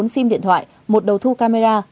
một mươi bốn sim điện thoại một đầu thu camera